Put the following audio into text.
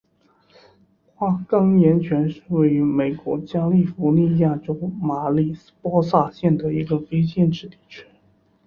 花岗岩泉是位于美国加利福尼亚州马里波萨县的一个非建制地区。